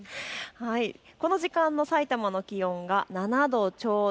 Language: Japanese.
この時間のさいたまの気温が７度ちょうど。